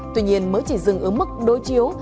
tuy nhiên mới chỉ dừng ở mức đối chiếu